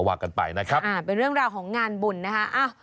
ว่ากันไปนะครับอ่าเป็นเรื่องราวของงานบุญนะฮะ